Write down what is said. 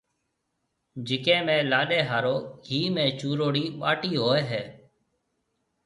جڪيَ ۾ لاڏَي ھارو گھيَََ ۾ چوروڙِي ٻاٽِي ھوئيَ ھيَََ